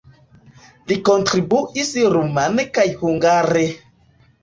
Li kontribuis rumane kaj hungare.